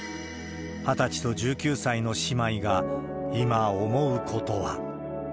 ２０歳と１９歳の姉妹が、今、思うことは。